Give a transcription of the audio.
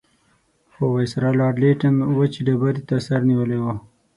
خو وایسرا لارډ لیټن وچې ډبرې ته سر نیولی وو.